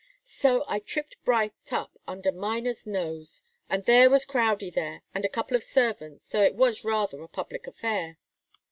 "So I tripped Bright up under Miner's nose and there was Crowdie there, and a couple of servants, so it was rather a public affair.